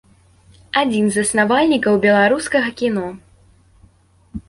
Адзін з заснавальнікаў беларускага кіно.